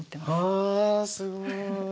ああすごい。